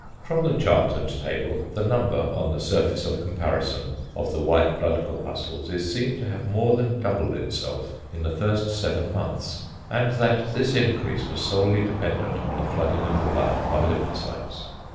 From the chart and table, the number on the surface of comparison of the white blood corpuscles is seen to have more than doubled itself in the first seven months, and that this increase was solely dependent on the flooding of the blood by lymphocytes.